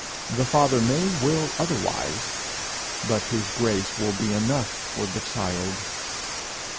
The Father may will otherwise, but his grace will be enough for the child.